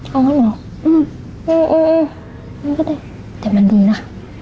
เอาเหรอเออมันก็ได้แต่มันดีนะ